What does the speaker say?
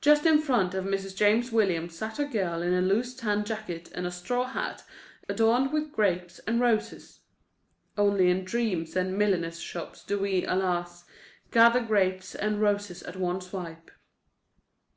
Just in front of Mrs. James Williams sat a girl in a loose tan jacket and a straw hat adorned with grapes and roses. Only in dreams and milliners' shops do we, alas! gather grapes and roses at one swipe.